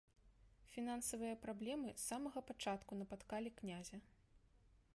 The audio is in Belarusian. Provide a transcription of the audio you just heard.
Фінансавыя праблемы з самага пачатку напаткалі князя.